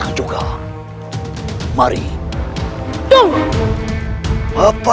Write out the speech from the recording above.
anda tidak memandu apa apa